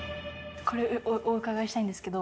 これお伺いしたいんですけど。